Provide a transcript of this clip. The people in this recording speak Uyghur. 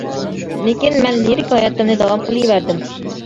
لېكىن، مەن لىرىك ھاياتىمنى داۋام قىلىۋەردىم.